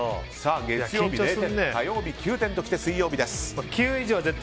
月曜日０点火曜日９点ときて、水曜日です。